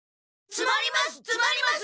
つまります！